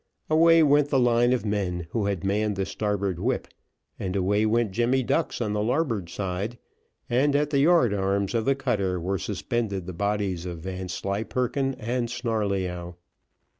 Away went the line of men who had manned the starboard whip, and away went Jemmy Ducks on the larboard side, and, at the yard arms' of the cutter were suspended the bodies of Vanslyperken and Snarleyyow.